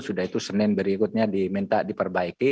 sudah itu senin berikutnya diminta diperbaiki